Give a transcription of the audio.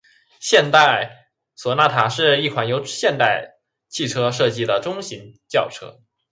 现代索纳塔是一款由现代汽车设计的中级轿车。